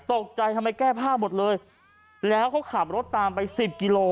ตกใจทำไมแก้ผ้าหมดเลยแล้วเขาขับรถตามไปสิบกิโล